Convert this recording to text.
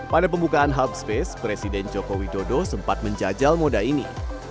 pada pembukaan hub space presiden joko widodo sempat menjajal moda ini